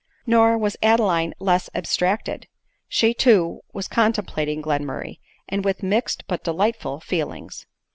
Nor was Adeline less abstracted ; she too was con templating Glenmurray, and with mixed but delightful feelings.